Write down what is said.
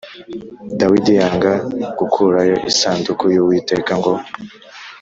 Dawidi yanga gukurayo isanduku y Uwiteka ngo